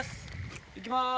行きます。